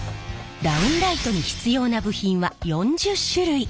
ダウンライトに必要な部品は４０種類。